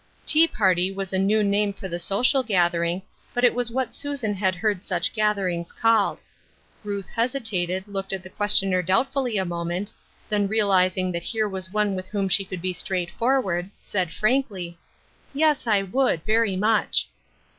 Tea party was a new name for the social gath ering, but it was what Susan had heard such gatherings called. Ruth hesitated, looked at the One Drop of Oil 119 questioner doubtfully a moment, then realizing that here was one with whom she could be straightforward, said frankly, " Yes, I would, very much."